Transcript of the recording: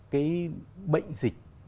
cái bệnh dịch